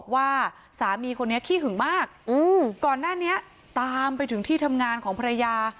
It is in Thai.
ว่าสามีคนนี้ขี้หึงมากก่อนหน้านี้ตามไปถึงที่ทำงานของภรรยา